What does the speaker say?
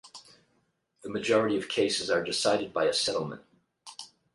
The majority of cases are decided by a settlement.